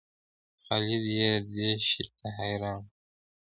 خالد یې دې شي ته حیران و.